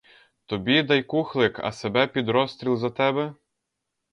Тобі дай кухлик, а себе під розстріл за тебе?